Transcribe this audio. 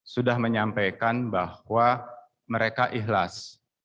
sudah menyampaikan bahwa mereka ikhlas